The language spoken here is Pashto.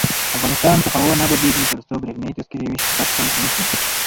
افغانستان تر هغو نه ابادیږي، ترڅو بریښنايي تذکرې ویش بشپړ نشي.